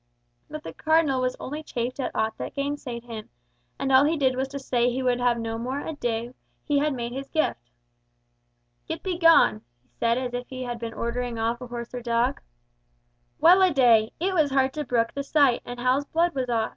But the Cardinal was only chafed at aught that gainsaid him; and all he did was to say he would have no more ado, he had made his gift. 'Get thee gone,' he said, as if he had been ordering off a horse or dog. Well a day! it was hard to brook the sight, and Hal's blood was up.